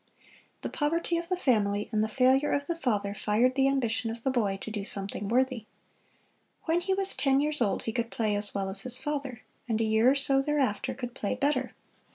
The poverty of the family and the failure of the father fired the ambition of the boy to do something worthy. When he was ten years old he could play as well as his father, and a year or so thereafter could play better.